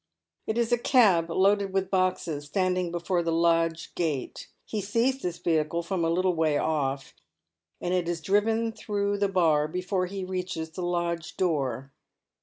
It is a cab loaded with boxes standing before the lodge gate. He sees this vehicle from a little way off, and it has driven through the Bar before he reaches the lodge door.